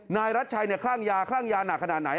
นายรัชชัยคลั่งยาคลั่งยาหนักขนาดไหน